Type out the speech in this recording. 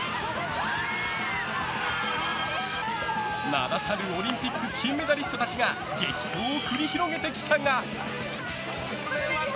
名だたるオリンピック金メダリストたちが激闘を繰り広げてきたが。